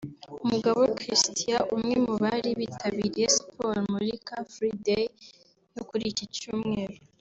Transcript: Mugabo Christian Umwe mu bari bitabiriye Siporo muri Car Free Day yo kuri iki Cyumweru